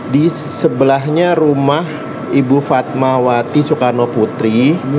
di sebelahnya rumah ibu fatmawati soekarno putri